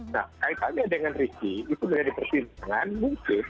nah kaitannya dengan ricky itu menjadi pertimbangan mungkin